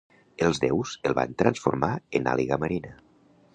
Els déus el van transformar en àliga marina.